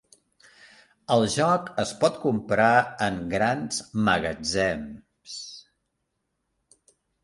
El joc es pot comprar en grans magatzems.